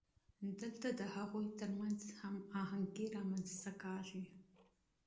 دلته د هغوی ترمنځ هماهنګي رامنځته کیږي.